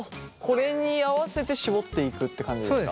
これに合わせて絞っていくって感じですか？